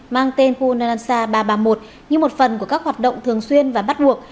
mang tên hunanansa ba trăm ba mươi một như một phần của các hoạt động thường xuyên và bắt buộc